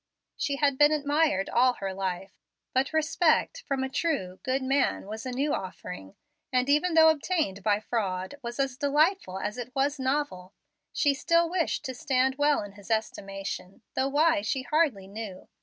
She had been admired all her life, but respect from a true, good man was a new offering, and, even though obtained by fraud, was as delightful as it was novel. She still wished to stand well in his estimation, though why she hardly knew.